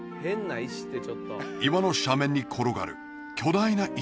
岩の斜面に転がる巨大な石